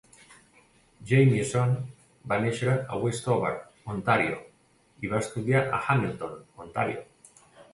Jamieson va néixer a Westover (Ontàrio) i va estudiar a Hamilton (Ontàrio).